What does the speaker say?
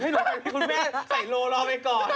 ให้ดูกันที่คุณแม่ใส่โลรอไปก่อน